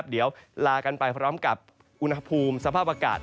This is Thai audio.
เดี๋ยวลากันไปพร้อมกับอุณหภูมิสภาพอากาศ